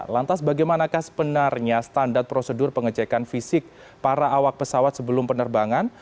lantas bagaimanakah sebenarnya standar prosedur pengecekan fisik para awak pesawat sebelum penerbangan